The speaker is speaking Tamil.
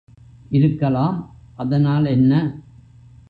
இருக்கலாம் அதனால் என்ன?